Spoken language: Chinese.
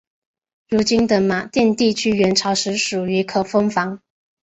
如今的马甸地区元朝时属于可封坊。